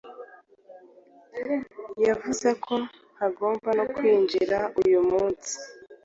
Yavuze ko ntagomba no kwinjira uyu munsi.